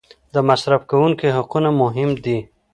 د مصرف کوونکي حقونه مهم دي.